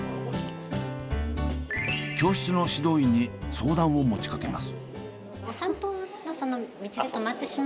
教室の指導員に相談を持ちかけます。